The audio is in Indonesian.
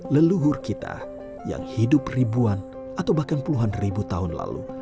leluhur kita yang hidup ribuan atau bahkan puluhan ribu tahun lalu